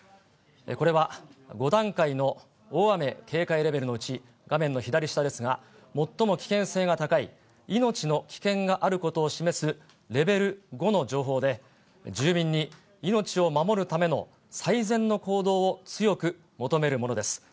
これは５段階の大雨警戒レベルのうち、画面の左下ですが、最も危険性が高い、命の危険があることを示すレベル５の情報で、住民に命を守るための最善の行動を強く求めるものです。